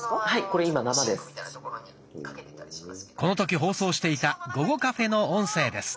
この時放送していた「ごごカフェ」の音声です。